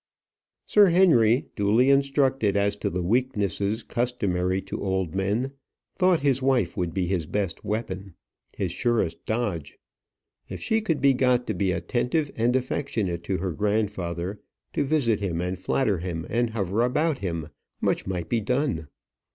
Sir Henry, duly instructed as to the weaknesses customary to old men, thought his wife would be his best weapon his surest dodge. If she could be got to be attentive and affectionate to her grandfather, to visit him, and flatter him, and hover about him, much might be done.